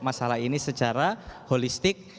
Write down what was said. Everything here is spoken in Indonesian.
masalah ini secara holistik